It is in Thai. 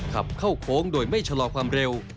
ขับเข้าโค้งโดยไม่ชะลอความเร็ว